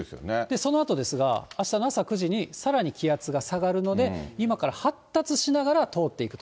そのあとですが、あしたの朝９時にさらに気圧が下がるので、今から発達しながら通っていくと。